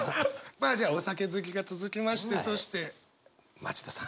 まあじゃあお酒好きが続きましてそして町田さん。